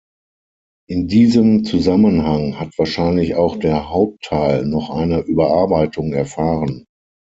In diesem Zusammenhang hat wahrscheinlich auch der Hauptteil noch eine Überarbeitung erfahren.